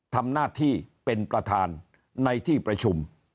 ทำหน้าที่เป็นประธานในที่ประชุม